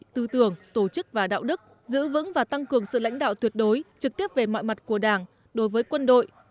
tư tưởng tổ chức và đạo đức giữ vững và tăng cường sự lãnh đạo tuyệt đối trực tiếp về mọi mặt của đảng đối với quân đội